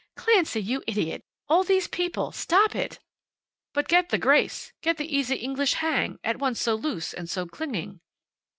"Clancy, you idiot! All these people! Stop it!" "But get the grace! Get the easy English hang, at once so loose and so clinging."